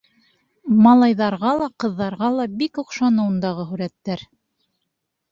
Малайҙарға ла, ҡыҙҙарға ла бик оҡшаны ундағы һүрәттәр.